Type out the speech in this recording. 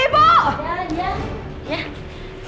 bu lu mau nyamperin aku